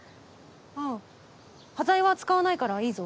ああ端材は使わないからいいぞ。